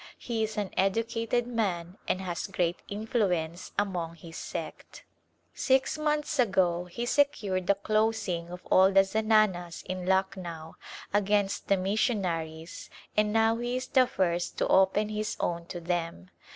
He is an educated man and has great influence among his sect. Six months ago he secured the closing of all the zananas in Lucknow against the missionaries and now he is the first to A Glimpse of India open his own to them.